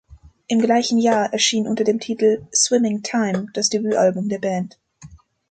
Im gleichen Jahr erschien unter dem Titel "Swimming Time" das Debütalbum der Band.